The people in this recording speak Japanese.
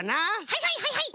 はいはいはいはい！